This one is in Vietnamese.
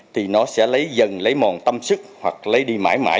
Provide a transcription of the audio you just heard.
thì nó sẽ lấy dần lấy mòn tâm sức hoặc lấy đi mãi mãi